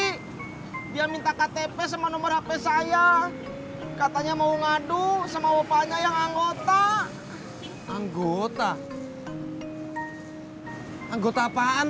hai dia minta ktp sama nomor hp saya katanya mau ngadu sama wapanya yang anggota anggota anggota apaan